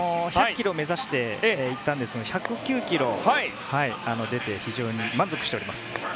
１００キロを目指してたんですが１０９キロ出て非常に満足しております。